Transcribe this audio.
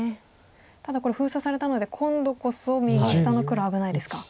ただこれ封鎖されたので今度こそ右下の黒危ないですか。